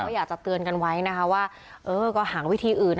ก็อยากจะเตือนกันไว้นะคะว่าก็หาวิธีอื่น